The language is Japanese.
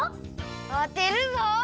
あてるぞ！